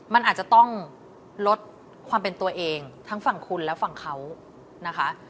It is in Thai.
มันอาจจะต้องลดความเป็นตัวเองทั้งฝั่งคุณและฝั่งเขานะคะ